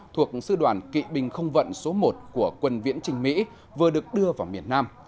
thuộc sư đoàn kỵ binh không vận số một của quân viễn trình mỹ vừa được đưa vào miền nam